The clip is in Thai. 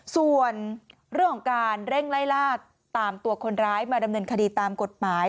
ส่วนเรื่องของการเร่งไล่ล่าตามตัวคนร้ายมาดำเนินคดีตามกฎหมาย